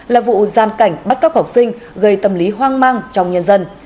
là vụ gian cảnh bắt cóc học sinh gây tâm lý hoang mang trong nhân dân